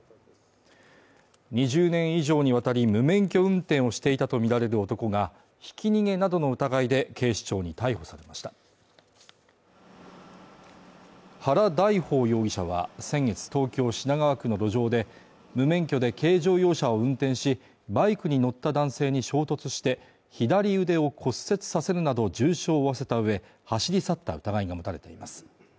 ２０年以上にわたり無免許運転をしていたとみられる男がひき逃げなどの疑いで警視庁に逮捕されました原大豊容疑者は先月東京・品川区の路上で無免許で軽乗用車を運転しバイクに乗った男性に衝突して左腕を骨折させるなど重傷を負わせたうえ走り去った疑いが持たれています